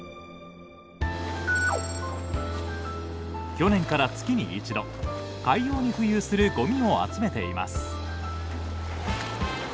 去年から月に１度海洋に浮遊するごみを集めています。